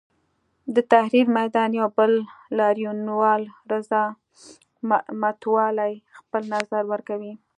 د تحریر میدان یو بل لاریونوال رضا متوالي خپل نظر ورکوي.